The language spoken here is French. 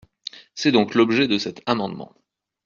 C’est donc l’objet de cet amendement.